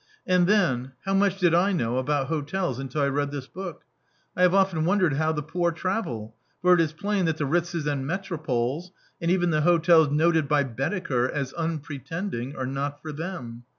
And Aen, how much did I know about hotels un til I read this book! I have often wondered how the poor travel; for it is plain that the Ritzes and Metropoles, and even the hotels noted by Baedeker as "unpretending," are not for them.